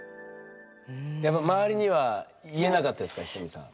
やっぱ周りには言えなかったですかひとみさん？